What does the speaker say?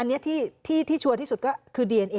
อันนี้ที่ชัวร์ที่สุดก็คือดีเอนเอ